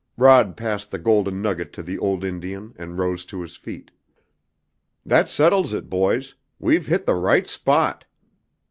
Rod passed the golden nugget to the old Indian, and rose to his feet. "That settles it, boys. We've hit the right spot.